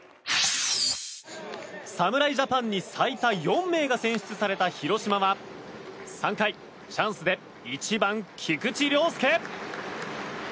侍ジャパンに最多４名が選出された広島は３回チャンスで１番、菊池涼介。